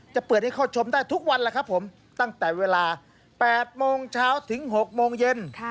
จะเปิดให้เข้าชมได้ทุกวันแล้วครับผมตั้งแต่เวลา๘โมงเช้าถึง๖โมงเย็น